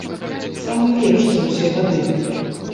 Самы лепшы за ўсе гады.